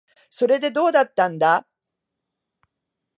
それで、どうだったんだ。